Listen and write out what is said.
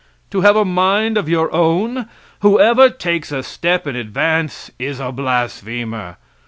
to have a mind of your own? Whoever takes a step in advance is a blasphemer.